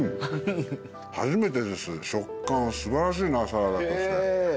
初めてです食感素晴らしいなサラダとして。